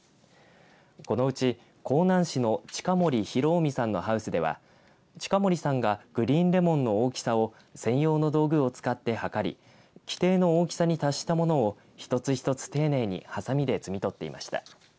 このうち香南市の近森寛臣さんのハウスでは近森さんがグリーンレモンの大きさを専用の道具を使って測り規定の大きさに達したものを一つ一つ丁寧にはさみで摘み取っていました。